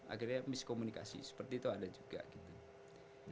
akhirnya miskomunikasi seperti itu ada juga gitu